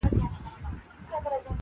دې دوستی ته خو هیڅ لاره نه جوړیږي-